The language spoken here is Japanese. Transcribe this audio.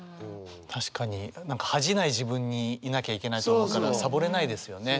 確かに恥じない自分にいなきゃいけないと思うからサボれないですよね。